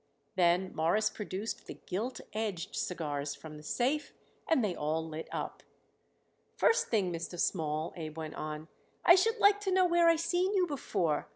Then Morris produced the "gilt edged" cigars from the safe, and they all lit up. "First thing, Mr. Small," Abe went on, "I should like to know where I seen you before.